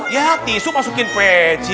ya tisu masukin peci